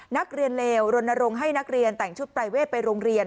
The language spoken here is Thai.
นักเรียนเลวรณรงค์ให้นักเรียนแต่งชุดปรายเวทไปโรงเรียน